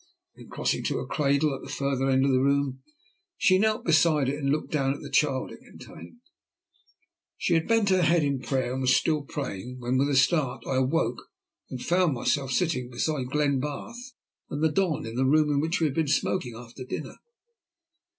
Then, crossing to a cradle at the further end of the room, she knelt beside it and looked down at the child it contained. She had bent her head in prayer, and was still praying, when with a start I awoke to find myself sitting beside Glenbarth and the Don in the room in which we had been smoking after dinner.